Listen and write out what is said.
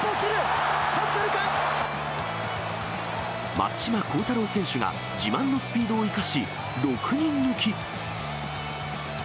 松島幸太朗選手が、自慢のスピードを生かし、６人抜き。